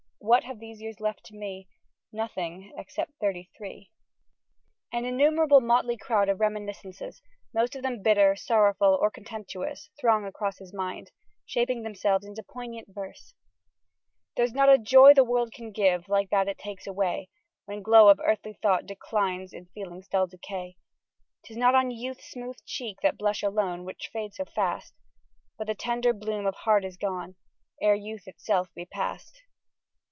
What have these years left to me? Nothing except thirty three. An innumerable motley crowd of reminiscences most of them bitter, sorrowful, or contemptuous, throng across his mind, shaping themselves into poignant verse: There's not a joy the world can give like that it takes away, When the glow of early thought declines in feeling's dull decay; 'Tis not on youth's smooth cheek the blush alone, which fades so fast, But the tender bloom of heart is gone, ere youth itself be past.